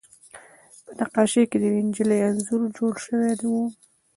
په نقاشۍ کې د یوې نجلۍ انځور جوړ شوی و